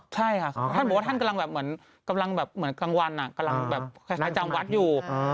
ใช่ค่ะท่านบอกว่าท่านกำลังแบบขังวัดเกาะใจจังวัดอยู่